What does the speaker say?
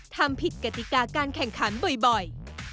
ทำผิดกติกาการแข่งขันบ่อย